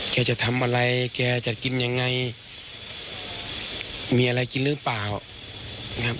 แกจะทำอะไรแกจะกินยังไงมีอะไรกินหรือเปล่านะครับ